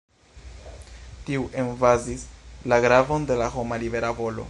Tiu emfazis la gravon de la homa libera volo.